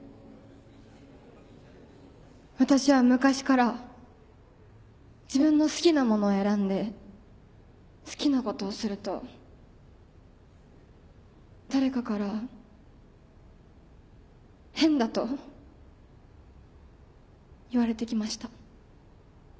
私は昔から自分の好きなものを選んで好きなことをすると誰かから変だと言われてきました。